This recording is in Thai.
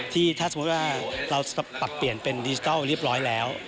ที่ถ้าสมมุติว่าเราปรับเปลี่ยนเป็นดิจิทัลเรียบร้อยแล้ว